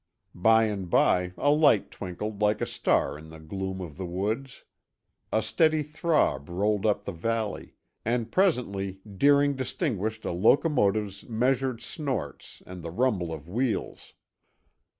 By and by a light twinkled like a star in the gloom of the woods. A steady throb rolled up the valley, and presently Deering distinguished a locomotive's measured snorts and the rumble of wheels.